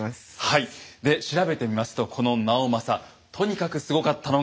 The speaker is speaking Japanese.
はいで調べてみますとこの直政とにかくすごかったのがこれです。